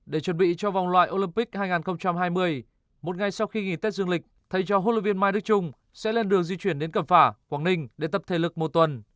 để chuẩn bị cho vòng loại olympic hai nghìn hai mươi một ngày sau khi nghỉ tết dương lịch thầy cho huấn luyện viên mai đức trung sẽ lên đường di chuyển đến cẩm phả quảng ninh để tập thể lực một tuần